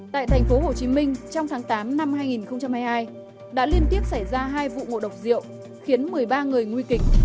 tại thành phố hồ chí minh trong tháng tám năm hai nghìn hai mươi hai đã liên tiếp xảy ra hai vụ ngộ độc rượu khiến một mươi ba người nguy kịch